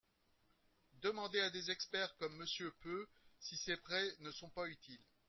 Demandez à des experts comme Monsieur Peu si ces prêts ne sont pas utiles